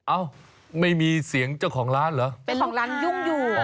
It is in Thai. เอ้าไม่มีเสียงเจ้าของร้านเหรอเป็นของร้านยุ่งอยู่